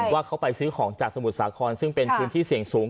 ว่าเขาไปซื้อของจากสมุทรสาครซึ่งเป็นพื้นที่เสี่ยงสูง